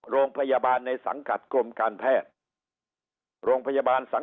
โรงพยาบาลในสังกัดกรมการแพทย์